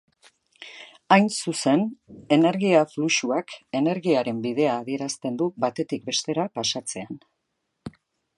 Hain zuzen, energia-fluxuak energiaren bidea adierazten du batetik bestera pasatzean.